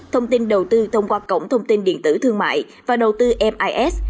thông tin đầu tư thông qua cổng thông tin điện tử thương mại và đầu tư mis